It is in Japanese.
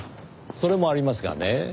それもありますがね